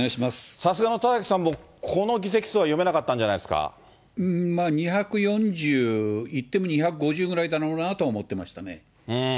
さすがの田崎さんも、この議席数は読めなかったんじゃないでまあ２４０、いっても２５０ぐらいだろうなとは思ってましたね。